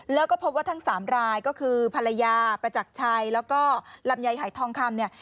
แล้วก็พบว่าทั้งสามรายก็คือภรรยาประจักรชัยแล้วก็ลำไยหายทองคำเนี่ย